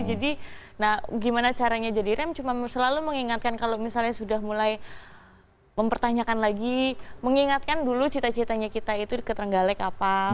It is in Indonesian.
jadi nah gimana caranya jadi rem cuma selalu mengingatkan kalau misalnya sudah mulai mempertanyakan lagi mengingatkan dulu cita citanya kita itu ketenggalik apa